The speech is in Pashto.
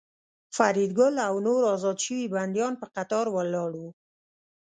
فریدګل او نور ازاد شوي بندیان په قطار ولاړ وو